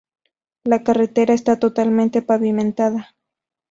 La carretera está totalmente pavimentada.